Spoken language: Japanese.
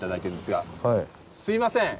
すいません！